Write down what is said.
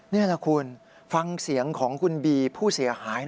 นี่แหละคุณฟังเสียงของคุณบีผู้เสียหาย